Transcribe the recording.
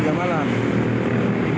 tiga hari dua malam